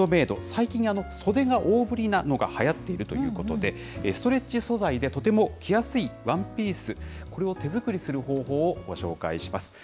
最近、袖が大ぶりなのがはやっているということで、ストレッチ素材でとても着やすいワンピース、これを手作りする方法をご紹介します。